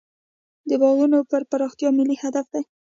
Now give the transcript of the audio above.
د باغونو پراختیا ملي هدف دی.